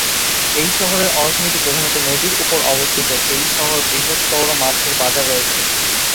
এই শহরের অর্থনীতি প্রধানত নদীর উপর অবস্থিত। এই শহর বৃহত্তর মাছের বাজার রয়েছে।